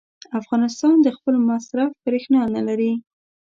افغانستان د خپل مصرف برېښنا نه لري.